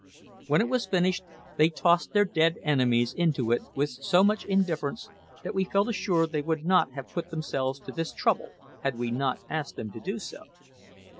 When it was finished, they tossed their dead enemies into it with so much indifference that we felt assured they would not have put themselves to this trouble had we not asked them to do so.